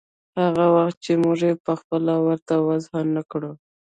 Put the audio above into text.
هغه وخت چې موږ يې پخپله ورته وضع نه کړو.